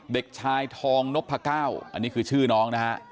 เด็กชายทองนพก้าวอันนี้คือชื่อน้องนะฮะ